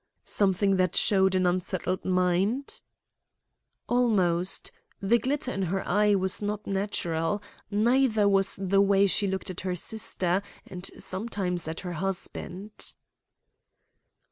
"Something that showed an unsettled mind?" "Almost. The glitter in her eye was not natural; neither was the way she looked at her sister and sometimes at her husband."